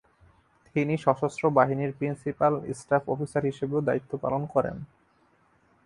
তিনি সশস্ত্র বাহিনীর প্রিন্সিপাল স্টাফ অফিসার হিসেবেও দায়িত্ব পালন করেন।